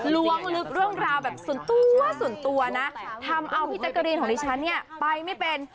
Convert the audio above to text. ล้วงลึกเรื่องราวแบบส่วนตัวส่วนตัวนะทำเอาพี่แจ๊กกะรีนของดิฉันเนี่ยไปไม่เป็น